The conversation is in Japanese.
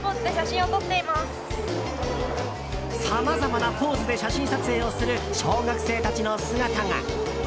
さまざまなポーズで写真撮影をする小学生たちの姿が。